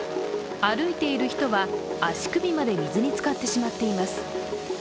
歩いている人は足首まで水につかってしまっています。